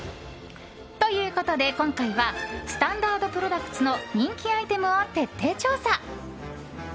ということで今回はスタンダードプロダクツの人気アイテムを徹底調査。